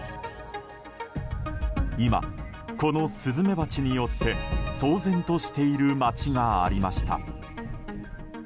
今、このスズメバチによって騒然としている街がありました。